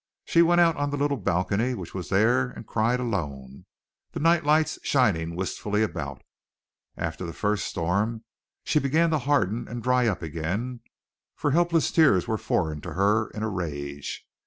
She went out on a little balcony which was there and cried alone, the night lights shining wistfully about. After the first storm she began to harden and dry up again, for helpless tears were foreign to her in a rage.